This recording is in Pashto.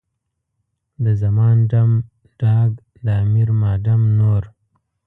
د زمان ډم، ډاګ، د امیر ما ډم نور.